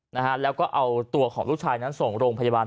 นะฮะแล้วก็เอาตัวของลูกชายนั้นส่งโรงพยาบาล